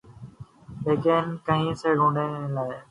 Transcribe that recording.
لیکن کہیں سے ڈھونڈ کے لائے۔